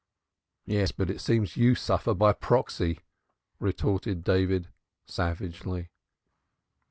"Yes, but it seems you suffer by proxy," retorted David, savagely.